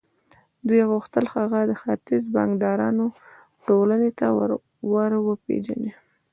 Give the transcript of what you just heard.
دوی غوښتل هغه د ختيځ د بانکدارانو ټولنې ته ور وپېژني.